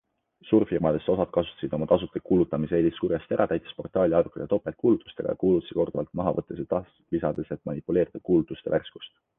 Suurfirmadest osad kasutasid oma tasuta kuulutamise eelist kurjasti ära, täites portaali arvukate topeltkuulutustega ja kuulutusi korduvalt maha võttes ja taaslisades, et manipuleerida kuulutuste värskust.